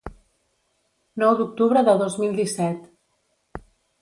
Nou d'octubre de dos mil disset.